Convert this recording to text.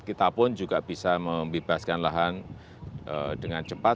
kita pun juga bisa membebaskan lahan dengan cepat